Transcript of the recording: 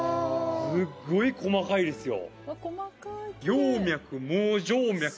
すごい細かいですよ